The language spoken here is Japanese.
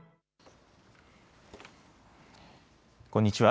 こんにちは。